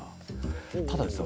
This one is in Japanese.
ただですね